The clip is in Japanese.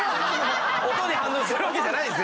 音に反応してるんじゃないですよ。